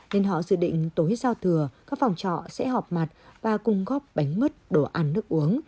nên họ dự định tối giao thừa các phòng trọ sẽ họp mặt và cung góp bánh mứt đồ ăn nước uống